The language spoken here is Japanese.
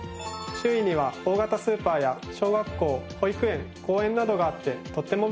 周囲には大型スーパーや小学校保育園公園などがあってとっても便利です。